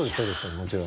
もちろん。